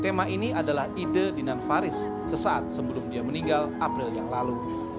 tema ini adalah ide dinan faris sesaat sebelum dia meninggal april yang lalu